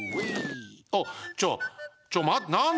あっちょちょっまっなんだよ。